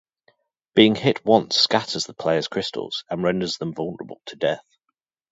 Being hit once scatters the player's crystals and renders them vulnerable to death.